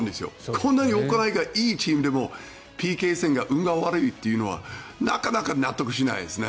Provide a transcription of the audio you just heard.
こんなに行いがいいチームでもＰＫ戦が運が悪いというのはなかなか納得しないですね。